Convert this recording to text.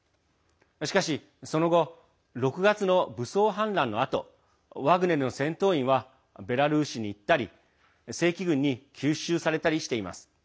しかし、その後６月の武装反乱のあとワグネルの戦闘員はベラルーシに行ったり正規軍に吸収されたりしています。